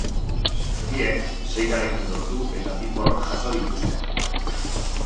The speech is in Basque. Biek sei garaipen lortu eta bi porrot jaso dituzte.